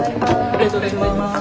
ありがとうございます。